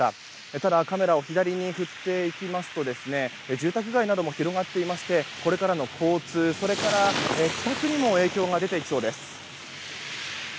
ただ、カメラを左に振っていきますと住宅街なども広がっていましてこれからの交通それから、帰宅にも影響が出てきそうです。